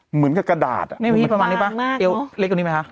เหมือนกับกระดาษนี่พี่ประมาณนี้ป่ะเล็กกว่านี้ไหมคะ